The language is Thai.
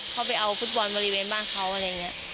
เข้าไปเอาฟุตบอลบริเวณบ้านเขาอะไรอย่างนี้